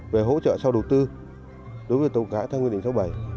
về hỗ trợ sau đầu tư đối với tàu cá theo nguyên định số bảy